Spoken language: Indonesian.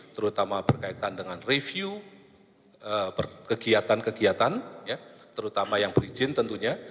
terutama berkaitan dengan review kegiatan kegiatan terutama yang berizin tentunya